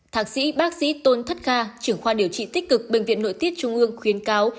thạc sĩ bác sĩ tôn thất kha trưởng khoa điều trị tích cực bệnh viện nội tiết trung ương khuyến cáo